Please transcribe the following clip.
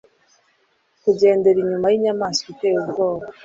kugendera inyuma yinyamaswa iteye ubwoba